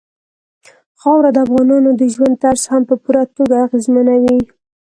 خاوره د افغانانو د ژوند طرز هم په پوره توګه اغېزمنوي.